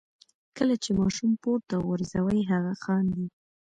کله چې ماشوم پورته غورځوئ هغه خاندي.